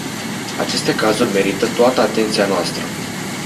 Aceste cazuri merită toată atenția noastră.